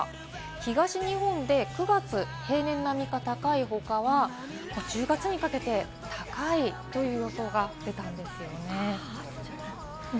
東日本で９月、平年並みか高い他は１０月にかけて高いという予想が出たんですよね。